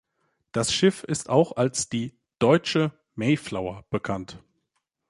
Das Schiff ist auch als die „Deutsche "Mayflower"“ bekannt.